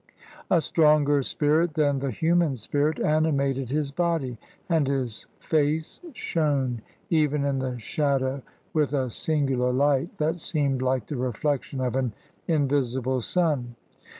A stronger spirit than the human spirit animated his body, and his face shone, even in the shadow, with a singular Kght, that seemed like the reflection of an in visible sun.